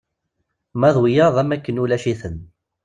Ma d wiyaḍ am wakken ulac-iten.